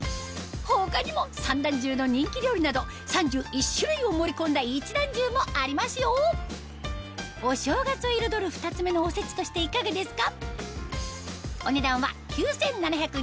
他にも三段重の人気料理など３１種類を盛り込んだ一段重もありますよお正月を彩る２つ目のおせちとしていかがですか？